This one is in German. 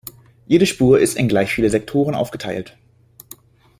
Jede Spur ist in gleich viele Sektoren aufgeteilt.